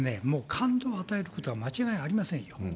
もう感動を与えることは間違いありませんよ。